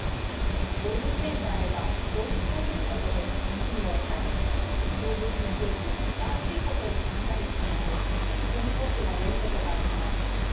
動物園であれば動物を見ることで楽しみを得たり動物について新しいことを学んだりするなど人にとってはよいことがあります。